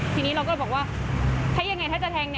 ทีนี้เราก็บอกว่าถ้ายังไงถ้าจะแทง